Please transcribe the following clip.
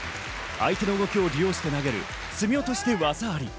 相手の動きを利用して投げる攻め落としで技あり。